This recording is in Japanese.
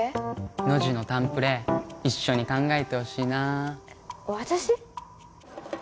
ノジの誕プレ一緒に考えてほしいな私？